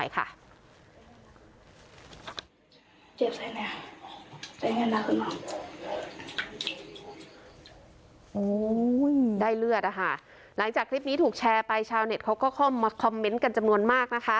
หลังจากคลิปนี้ถูกแชร์ไปชาวเน็ตเขาก็เข้ามาคอมเมนต์กันจำนวนมากนะคะ